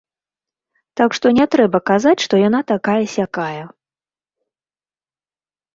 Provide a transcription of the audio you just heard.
Так што не трэба казаць, што яна такая-сякая.